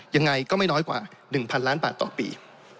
ยังไงก็ไม่น้อยกว่า๑๐๐ล้านบาทต่อปี